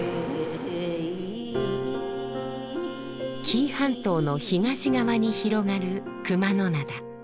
紀伊半島の東側に広がる熊野灘。